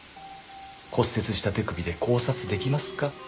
骨折した手首で絞殺出来ますか？